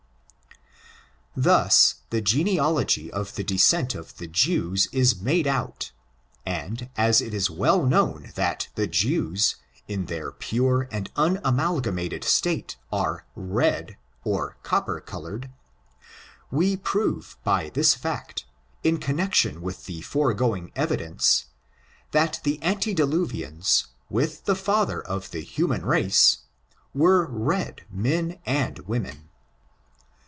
Thus the genealogy of the descent of the Jews is made out, and as it is well known that the Jews, in their pure and unamal gamated state, are rcrf, or copper colored, we prove, by this fact, in connection with the foregoing evi dence, that the antediluvians, with the father of the human race/were Ted men and women.